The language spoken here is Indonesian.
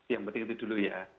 yang penting itu dulu ya